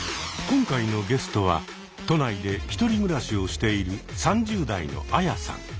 今回のゲストは都内で１人暮らしをしている３０代のアヤさん。